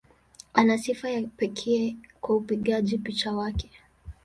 Ana sifa ya kipekee kwa upigaji picha wake.